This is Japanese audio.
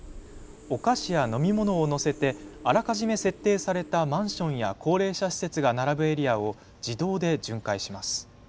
お菓子や飲み物を載せてあらかじめ設定されたマンションや高齢者施設が並ぶエリアを自動で巡回します。